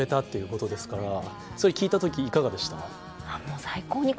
それ聞いた時いかがでした？